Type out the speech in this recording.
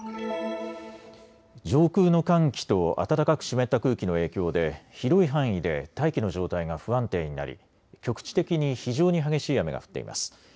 上空の寒気と暖かく湿った空気の影響で広い範囲で大気の状態が不安定になり局地的に非常に激しい雨が降っています。